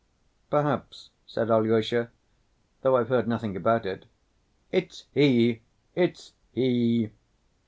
"Perhaps," said Alyosha, "though I've heard nothing about it." "It's he, it's he!